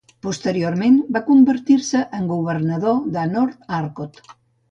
Posteriorment va convertir-se en Governador de North Arcot.